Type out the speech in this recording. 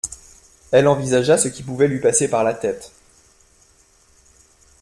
Elle envisagea ce qui pouvait lui passer par la tête